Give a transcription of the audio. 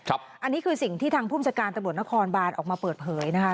อันนี้คือสิ่งที่ทางภูมิชาการตำรวจนครบานออกมาเปิดเผยนะคะ